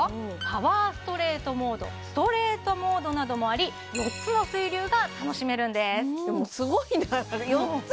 パワーストレートモードストレートモードなどもあり４つの水流が楽しめるんですでもすごいね４つ！？